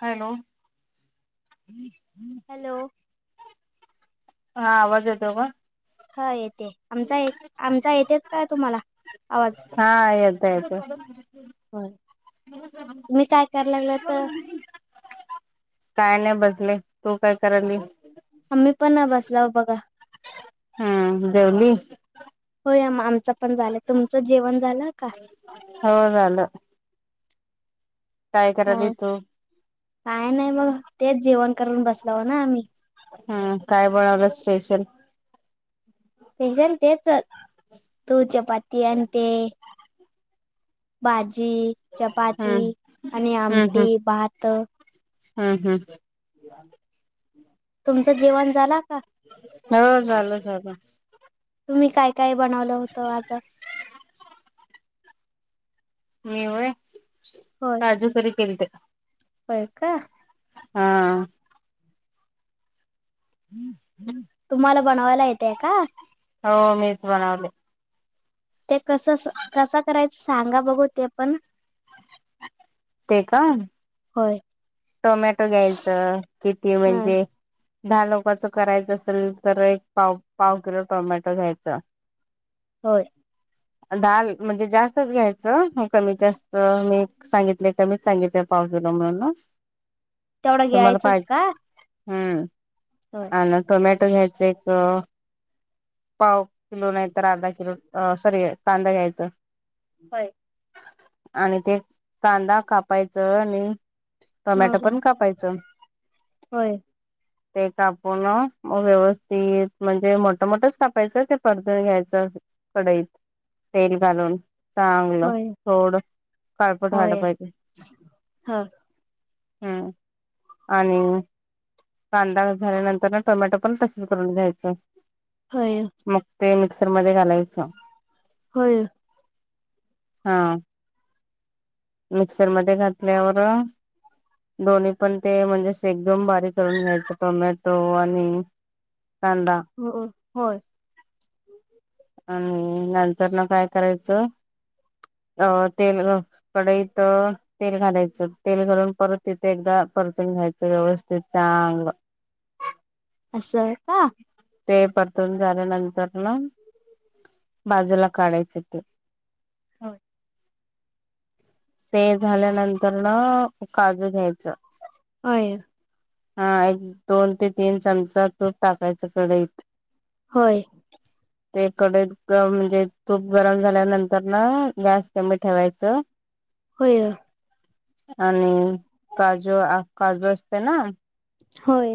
Hello. हम्म हम्म hello हा आवाज येतो का हा येते आमचा आमचा येतेेत काय तुम्हाला आवाज हा येतयेत होु्ी काय कराय लागलं तर काय नाही बसले तू काय कल आम्मी पण ना बसला बघा हम देवली हो आ आमचं पण झालं तुमचं जेवण झालं का हो झाल काय करायल हो य तो काय नाही बग तेच जेवण करून बसलाव ना आम्ही हम्म काय बनवलं स्पेशल स्पेशल तेच तू चपाती आण ते भाजी चपाती हम्म आणि हम्म आमटी हम्म भात हम्म हम्म तुमचं जेवण झाला का? हो झालं झालं तुम्ही काय काय बनवलं होतं आता? मी होय होय काजू करी केल ते होय का हा हम्म हम्म तुम्हाला बनवायला येतय का? हो मीच बनवले. ते कसं कसं करायचं सांगा बघू ते पण ते का होय टोमॅटो घ्यायचं किती हा म्हणजे दहा लोकांचं करायचं असेल तर एक पाव पाव किलो टोमॅटो घ्यायचा होय डाल म्हणजे जास्तच घ्यायचं कमीत जास्त मी सांगितले कमीच सांगितले. पाऊसाच म तेवढा तुम्हाला घ्यायचंच का पाहिजे हम्म होय आणि टोमॅटो घ्यायच एक पाव किलो नाही तर अर्धा किलो सॉरी कांदा घ्यायचं. होय आणि ते कांदा कापायच आणि टोमॅटो मग पण कापायचं. होय ते कापून व्यवस्थित म्हणजे मोठं मोठंच कापायचं ते परतून घ्यायचं. कढईत तेल घालून. चांगलं होय थोडं काळपट व्हायला पाहिजे. हा हम्म आणि कांदा झाल्यानंतर ना टोमॅटो पण तसेच करून घ्यायचे. होय मग ते मिक्सरमध्ये घालायचं. होय हा मिक्सर मध्ये घातल्यावर दोन्ही पण ते म्हणजे एकदम बारीक करून घ्यायचे टोमॅटो आणि कांदा हो होय आणि नंतर न काय करायचं अ तेल कडे इथं तेल घालायचं तेल घालून परत तिथे एकदा परतून घ्यायचं व्यवस्थित चांगलं. असंय का ते परतून झाल्या नंतरला बाजूला काढायचं ते होय ते झाल्यानंतर ना काजू घ्यायचं. होय हा एक दोन ते तीन चमचा तूप टाकायचं कढईत होय ते कढईत म्हणजे तूप गरम झाल्यानंतर ना गॅस कमी ठेवायचं. हो आणि काजू काजू असते ना होय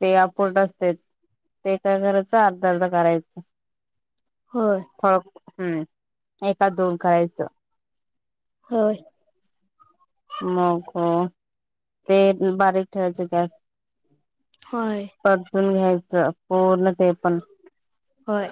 ते आपूर्ण असते ते काय करायचं अर्धा अर्धा करायचा हो फळक हम्म एका दोन करायचं होय मगो ते बारीक ठेवायचें का होय परतून घ्यायचं पूर्ण ते प होय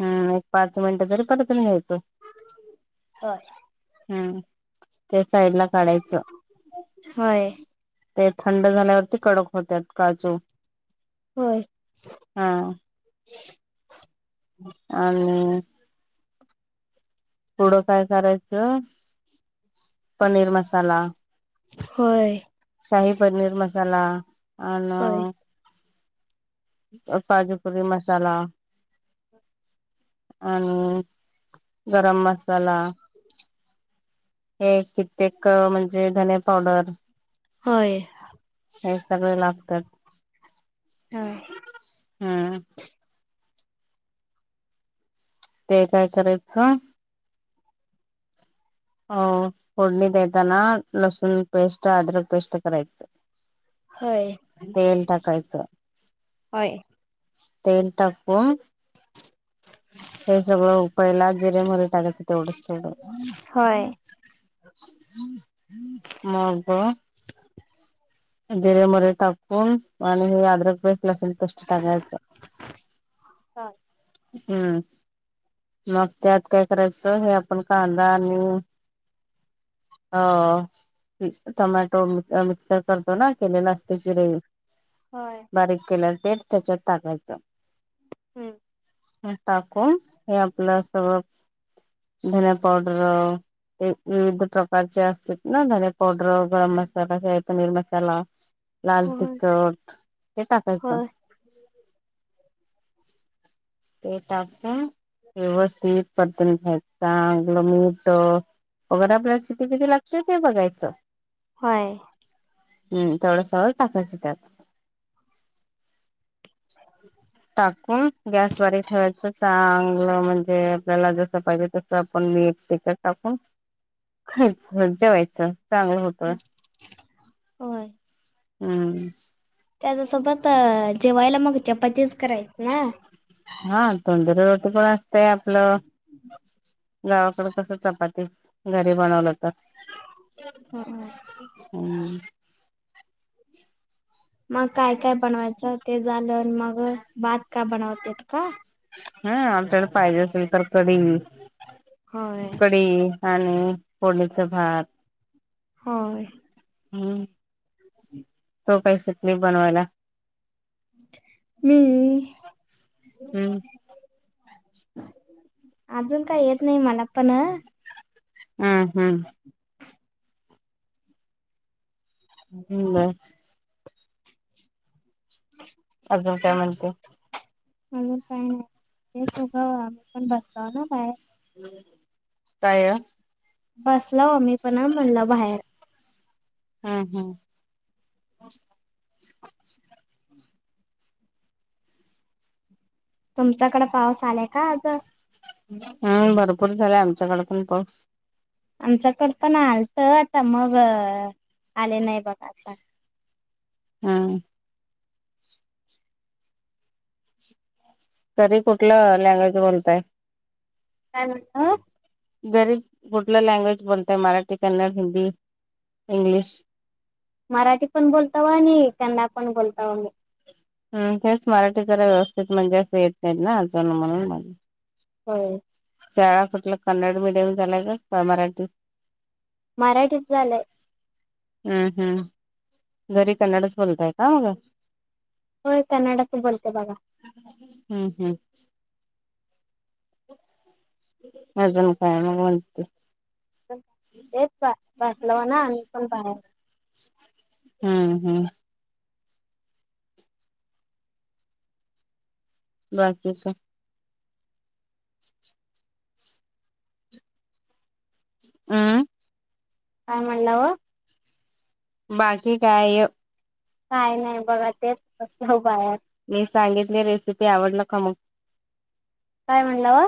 हम् एक पाच मिनटं तरी परत घेतो हो हम्म त्या साईड ला काढायचं होय ते थंड झाल्यावरती कडक होतात काजू हो हा आणि पुढं काय करायचं पनीर मसाला होय शाही पनीर मसाला आणि होय पाजुकरी मसाला आणि गरम मसाला हे कित्येक म्हणजे धने पावडर होय हे सगळे लागतात हा हम ते काय करायचं हो फोडणी देताना लसुन पेस्ट अद्रक पेस्ट करराय होय टाकायचं होय तेल टाकून हे सगळं उपायला जिरे मोहरी टाकयतं तेवढच थोडं मग जिऱ्या मोहरे टाकून आणि हे अद्रक पेस्ट लागेल [unintelligible] कष्टताकायच [unintelligible] हम्म मग त्यात काय करायचं हे आपण कांदा आणि हो टोमॅटो मिक्सर करतो ना केलेला असते कि रेवी बारीक केल्यावर ते त्याच्यात टाकायचं हम्म टाकून हे आपलं सगळ धने पावडर ते विविध प्रकारचे असते ना धने पावडर गरम मसाला ज [unintelligible] पनीर मसाला ह [inaudible] लाल तिखट हे टाकायचं ह [inaudible] [inaudible] ते टाकत व्यवस्थित पद्धन्याय चांगलं मोठ वगर आपल्याला किती किती लागते आहे बघायचं वय हम् तेथवढं [unintelligible] सरळ टायच त्यात ह [inaudible] टाकून गॅसवारी ठेवायच चांगलं म्हणजे आपल्याला जस पाहिजे तस आपण मी एके टाकून खायच जेवायचं चांगलं होत होय हम्म त्याच्यासोबत जेवायला मग चपातीच करायच ना हा तोंदुरी रोटी पण असतेय आपलं गावाकडे कस चपाती घरी बनवलं तर हम [inaudible] हम् मग काय काय बनवायचं ते झालं मग भात का बनवते येत का हा आपल्याला पाहिजे असेल तर कढी होय कढी आणि फोडणीचा भात होय हम् [inaudible] त काही शट [unintelligible] नाही बनवायला मी हम्म अजून काय येत नाही मला पण हम् हम्म हम् ह [inaudible] अजून काय म्हणजे म्हजून [unintelligible] काय नाही तेचघं आम्ही पण बसत ना बाहेर काय बसल मी पण म्हणलं बाहेर. हम् हम्. तुमच्याकडे पाऊस आलाय का आ? हम् भरपूर झाले आमच्याकडे पण पाऊस आमच्याकड पण आलत आता मग आले नाही बघ आता हा तरी कुठलं लँग्वेज बोलताय काय म्ह [unintelligible] घरी कुठला लँग्वेज बोलतय मराठी कन्नड हिंदी इंग्लिश मराठी पण बोलतावा आणि कन्ड पण बोलताव मी. ह तेच मराठी जरा व्यवस्थित म्हणजे असं येत नाहीत ना अजून म्हणून. हो शाळा कुठल्या कन्नड मीडियम झालाय का मराठी. मराठीत झालंय. हम् हम्म जरी कन्नडच बोलताय का मगं. होय कन्नडच बोलते बघा. हम्म हम्म अजण काय मग म्हणते तेच भासलावा ना आणि्ही पण बाहेर. हम्म हम्म. बाकीकीच हम काय म्हणलावर बाकी काय? काय नाही बघा तेच बाया. मी सांगितली रेसिपी आवडल का मग? काय म्हणला वा.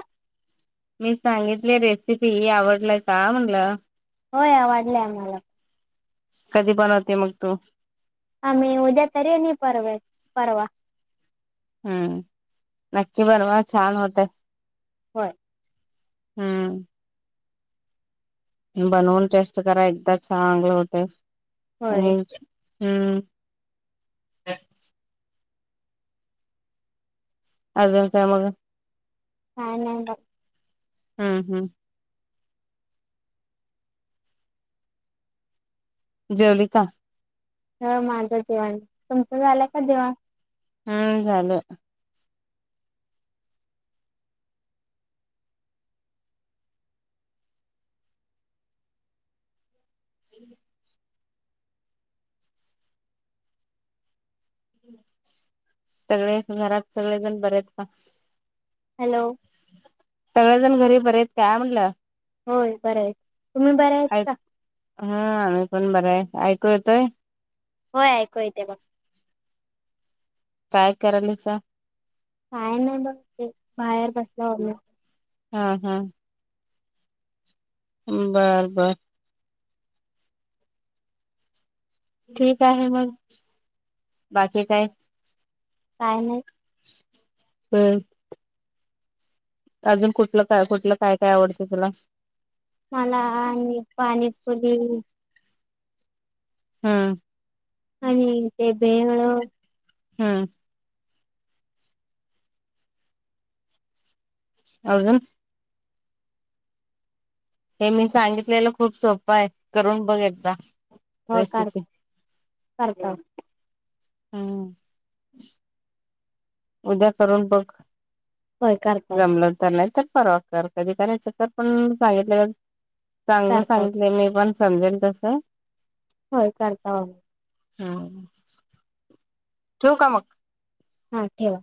मी सांगितली रेसिपी आवडल का म्हणल? होय आ वाढले आम्हाला. कधी बनवते मग तू? आम्ही उद्या तरी आणि परवा, परवा. हम्म नक्की बनवा छान होत. होय. हम्म. बनवून टेस्ट करा एकदा चांगले होते आणि होय हम्म. अजून का मग. काय नाही ब. हम्म, हम्म. जेवली का? ह माझं जेवण. तुमचं झालंय का जेवण? हम्म झाल. ह. [unintelligible] सगळे घरात सगळेजण बरे आहेत का? हॅलो. सगळेजण घरी बरेत काय म्हटलं? होय बर हाय, तुम्ही बर आहेत ऐक का? हा आम्ही पण बर आहे. ऐकू येतेय? होय ऐकू येते बघ. काय करायलिसा? काय नाही बघ ते बाहेर बसलीया आवरुन. हा, हा. बर, बर. ठीक आहे मग बाकी काय. काय नाही. बर. अजून कुठलं काय, कुठलं काय, काय आवडते तुला? मला आणि पाणीपुरी हम्म. आणि ते भेळ. हम्म. अजून. हे मी सांगितलेलं खूप सोप आहे करून बघ एकदा. हो करत, रेसिपी करतो ह. हम्म. उद्या करून बघ. होय करता जमलं तर नाही तर परवा कर कधी करायचं तर पण सांगितलेल चांगलं करता सांगितलंय मी पण समजेल तसं. होय करता हो. हम्म, ठेऊ का मग? हा ठेवा.